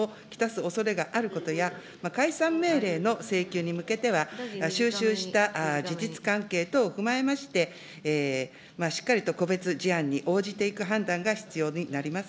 おそれがあることや、解散命令の請求に向けては、収集した事実関係等を踏まえまして、しっかりと個別事案に応じていく判断が必要になります。